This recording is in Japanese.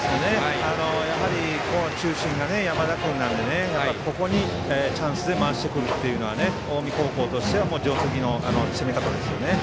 やはり中心が山田君なのでここにチャンスで回してくるのは近江高校としては定石の攻め方ですね。